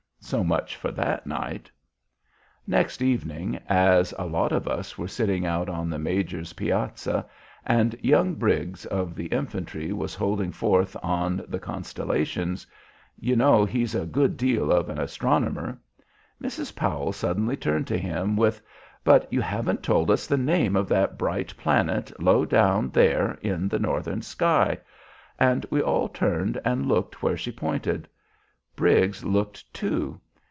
So much for that night! "Next evening as a lot of us were sitting out on the major's piazza, and young Briggs of the infantry was holding forth on the constellations, you know he's a good deal of an astronomer, Mrs. Powell suddenly turned to him with 'But you haven't told us the name of that bright planet low down there in the northern sky,' and we all turned and looked where she pointed. Briggs looked too.